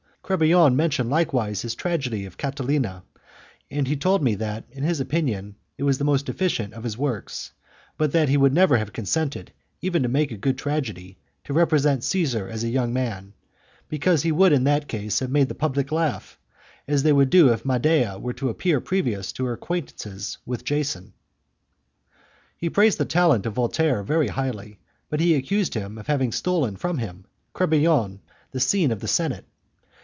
Crebillon mentioned likewise his tragedy of Catilina, and he told me that, in his opinion, it was the most deficient of his works, but that he never would have consented, even to make a good tragedy, to represent Caesar as a young man, because he would in that case have made the public laugh, as they would do if Madea were to appear previous to her acquaintances with Jason. He praised the talent of Voltaire very highly, but he accused him of having stolen from him, Crebillon, the scene of the senate.